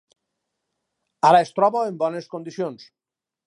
Ara es troba en bones condicions.